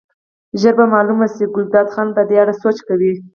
ژر به معلومه شي، ګلداد خان په دې اړه سوچ کوي.